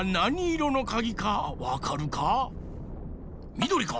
みどりか？